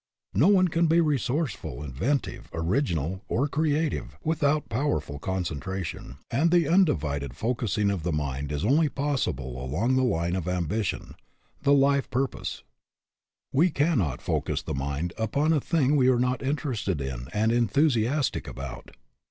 No one can be resourceful, inventive, original, or creative without powerful concentration; and the un divided focusing of the mind is only possible along the line of the ambition, the life pur pose. We cannot focus the mind upon a thing we are not interested in and enthusiastic about.